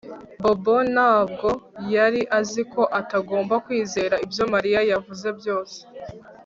Bobo ntabwo yari azi ko atagomba kwizera ibyo Mariya yavuze byose